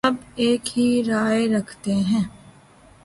تو سب ایک ہی رائے رکھتے ہیں۔